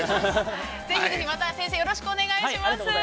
◆ぜひぜひ、また先生よろしくお願いします。